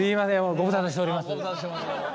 ご無沙汰してます。